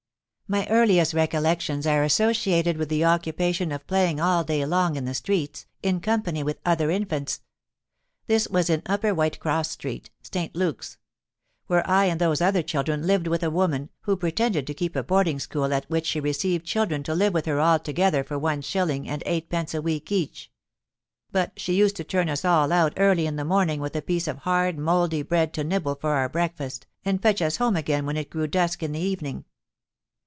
"My earliest recollections are associated with the occupation of playing all day long in the streets, in company with other infants. This was in Upper Whitecross Street, St. Luke's; where I and those other children lived with a woman, who pretended to keep a boarding school at which she received children to live with her altogether for one shilling and eightpence a week each: but she used to turn us all out early in the morning with a piece of hard mouldy bread to nibble for our breakfast, and fetch us home again when it grew dusk in the evening.